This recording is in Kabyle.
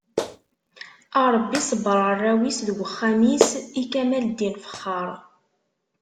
A Rebbi sebber arraw-is d uxxam-is i kamel Ddin Fexxar.